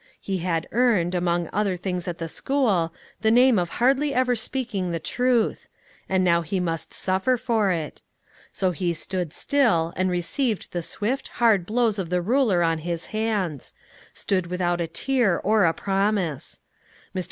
He had earned, among other things in the school, the name of hardly ever speaking the truth; and now he must suffer for it. So he stood still and received the swift, hard blows of the ruler on his hands; stood without a tear or a promise. Mr.